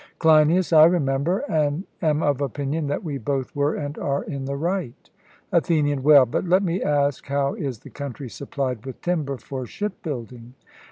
CLEINIAS: I remember, and am of opinion that we both were and are in the right. ATHENIAN: Well, but let me ask, how is the country supplied with timber for ship building?